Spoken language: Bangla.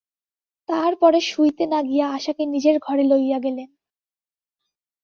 তাহার পরে শুইতে না গিয়া আশাকে নিজের ঘরে লইয়া গেলেন।